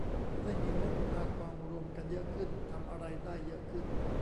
จะได้มีงบมากองรวมกันเยอะขึ้น ทำอะไรได้เยอะขึ้น